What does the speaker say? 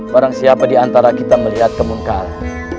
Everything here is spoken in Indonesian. barang siapa diantara kita melihat kemunkaran